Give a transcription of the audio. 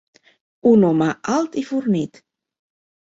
Un home alt i fornit.